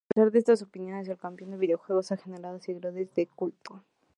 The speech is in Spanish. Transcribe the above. A pesar de estas opiniones, ""El campeón del videojuego"" ha generado seguidores de culto.